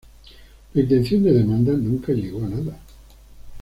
La intención de demanda nunca llegó a nada.